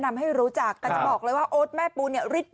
นำให้รู้จักก็จะบอกเลยว่าโอ๊ดแม่ปูเนี้ยลิด